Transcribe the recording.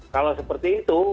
kalau seperti itu